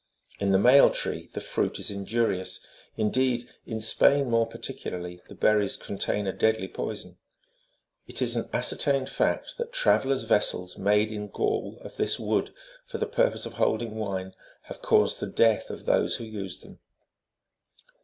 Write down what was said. In the male tree the fruit is injurious ; indeed, in Spain more particu larly, the berries contain a deadly poison.31 It is an ascertained fact that travellers' vessels,32 made in Gaul of this wood, for the purpose of holding wine, have caused the death of those who used them.